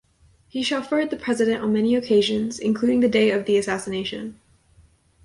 He chauffeured the president on many occasions, including the day of the assassination.